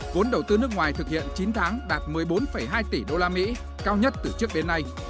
vốn đầu tư nước ngoài thực hiện chín tháng đạt một mươi bốn hai tỷ usd cao nhất từ trước đến nay